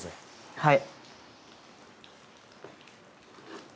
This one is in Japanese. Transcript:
はい。